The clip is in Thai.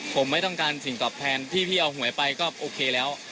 ผมไม่ต้องการสิ่งตอบแทนที่พี่เอาหวยไปก็โอเคแล้ว